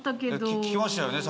聞きましたよね